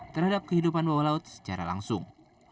terhadap kehidupan bawah laut secara langsung